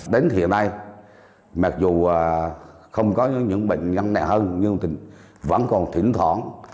đến hiện nay mặc dù không có những bệnh gắn nẻ hơn nhưng vẫn còn thỉnh thoảng